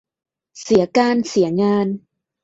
เสียการเสียงาน